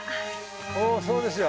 おそうですよ。